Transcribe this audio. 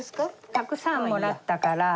たくさんもらったから。